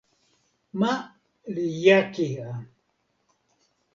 ma li jaki a.